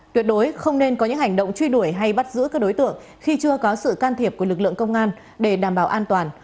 tuyệt đối không nên có những hành động truy đuổi hay bắt giữ các đối tượng khi chưa có sự can thiệp của lực lượng công an để đảm bảo an toàn